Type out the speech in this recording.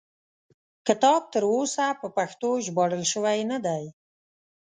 کتاب تر اوسه په پښتو ژباړل شوی نه دی.